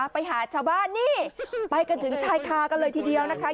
ไปหาชาวบ้านนี่ไปกันถึงชายคากันเลยทีเดียวนะคะ